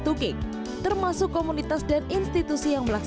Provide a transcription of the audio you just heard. jadi kami basuh kemungkinan melihat karney disuruh iklim ke selera